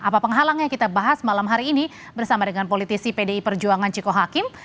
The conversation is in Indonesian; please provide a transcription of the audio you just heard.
apa penghalangnya kita bahas malam hari ini bersama dengan politisi pdi perjuangan ciko hakim